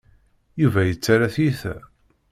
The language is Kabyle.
Yuba yettarra tiyita.